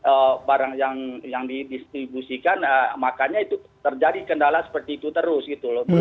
karena barangkali yang didistribusikan makanya itu terjadi kendala seperti itu terus gitu loh